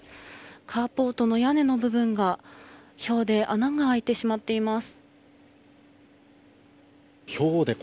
カーポートの屋根の部分がひょうで穴が開いてしまっています。